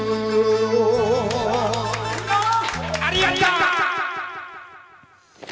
ありがとう！